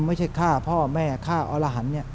ไม่ใช่ฆ่าพ่อแม่ฆ่าออลหันเนี่ย